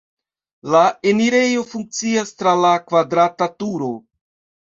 La enirejo funkcias tra la kvadrata turo.